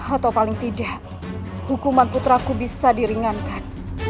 atau paling tidak hukuman putraku bisa diringankan